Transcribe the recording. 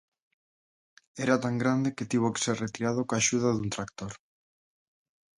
Era tan grande que tivo que ser retirado coa axuda dun tractor.